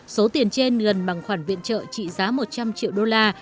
số tiền trên gần bằng khoản viện trợ trị giá một trăm linh triệu đô la